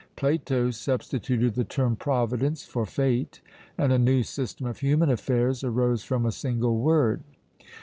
Plato substituted the term Providence for fate; and a new system of human affairs arose from a single word.